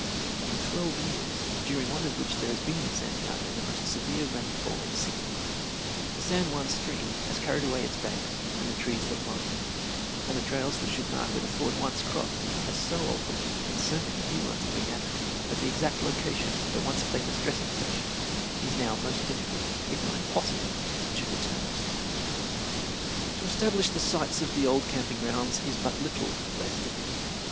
In twelve years, during one of which there has been in Santiago the most severe rainfall in sixty years, the San Juan stream has carried away its banks and the trees that lined them, and the trails that should mark where the ford once crossed have so altered and so many new ones have been added, that the exact location of the once famous dressing station is now most difficult, if not impossible, to determine. To establish the sites of the old camping grounds is but little less difficult.